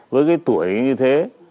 với cái tuổi như thế